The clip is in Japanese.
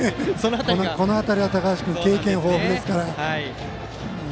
この辺りは高橋君は経験豊富ですから。